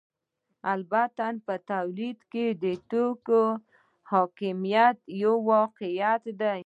البته په تولید کې د توکو حاکمیت یو واقعیت دی